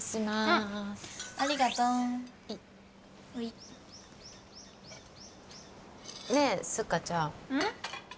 うんありがとうはいほいねえスッカちゃんうん？